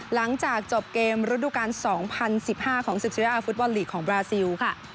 หลังจากจบเกมรุดดุกรรม๒๐๑๕ของ๑๖ฟุตบอลลีกของบราซิล